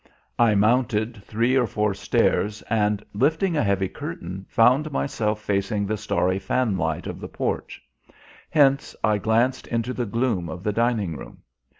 I mounted three or four stairs and, lifting a heavy curtain, found myself facing the starry fanlight of the porch. Hence I glanced into the gloom of the dining room.